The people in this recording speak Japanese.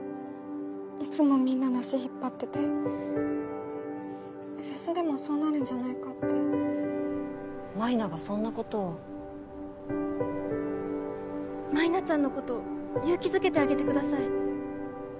いつもみんなの足引っ張っててフェスでもそうなるんじゃないかって舞菜がそんなことを舞菜ちゃんのこと勇気づけてあげてください